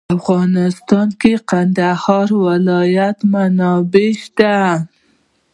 په افغانستان کې د کندهار ولایت منابع شته.